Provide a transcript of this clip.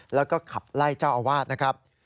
แล้วก็ขับไล่เจ้าอาวาสนะครับ